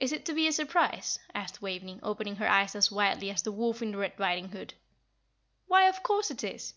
"Is it to be a surprise?" asked Waveney, opening her eyes as widely as the wolf in Red Riding Hood. "Why, of course it is.